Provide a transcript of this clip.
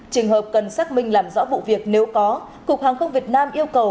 trường hợp cần xác minh làm rõ vụ việc nếu có cục hàng không việt nam yêu cầu